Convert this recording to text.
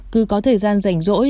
cứ có thời gian rảnh rỗi